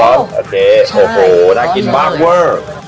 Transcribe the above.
โอเคโอ้โหน่ากินมากเวอร์